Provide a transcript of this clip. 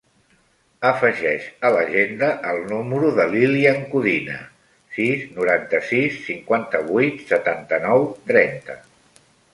Afegeix a l'agenda el número de l'Ilyan Codina: sis, noranta-sis, cinquanta-vuit, setanta-nou, trenta.